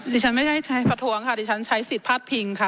ดิฉันไม่ได้ใช้ประท้วงค่ะดิฉันใช้สิทธิพลาดพิงค่ะ